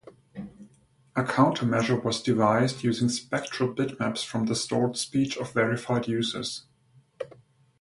A counter-measure was devised using spectral bitmaps from the stored speech of verified users.